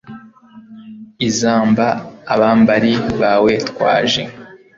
izamba, abambari bawe twaje